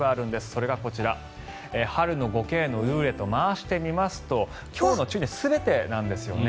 それがこちら春の５Ｋのルーレット回してみますと今日の注意全てなんですよね。